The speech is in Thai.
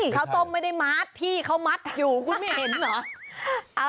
ข้าวต้มไม่ได้มัดพี่เขามัดอยู่คุณไม่เห็นเหรอ